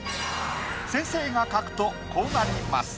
先生が描くとこうなります。